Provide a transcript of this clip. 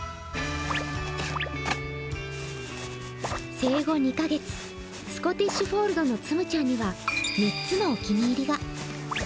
生後２カ月、スコティッシュフォールドのつむちゃんには３つのお気に入りが。